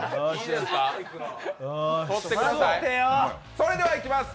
それではいきます。